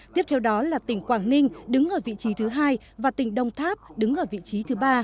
tiếp theo đó là tỉnh quảng ninh đứng ở vị trí thứ hai và tỉnh đông tháp đứng ở vị trí thứ ba